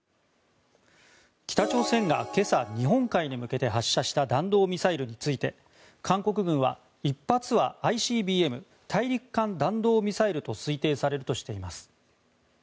北朝鮮が今朝日本海に向けて発射した弾道ミサイルについて韓国軍は１発はＩＣＢＭ・大陸間弾道ミサイルと推定されるとしています。